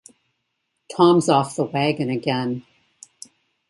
Tom's off the wagon again.